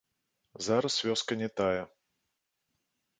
Зараз вёска не тая.